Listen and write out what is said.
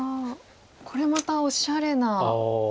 これまたおしゃれな。